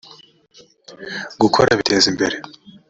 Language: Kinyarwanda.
gukora bitezimbere.